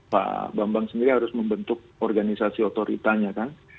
pak bambang sendiri harus membentuk organisasi otoritanya kan